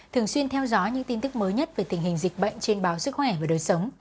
thường xuyên theo dõi những tin tức mới nhất về tình hình dịch bệnh trên báo sức khỏe và đời sống